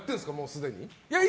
すでに。